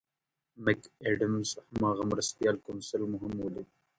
مک اډمز هماغه مرستیال کونسل مو هم ولید.